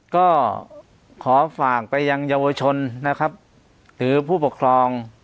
ก็ขอฝากไปยังเยาวชนนะครับหรือผู้ปกครอง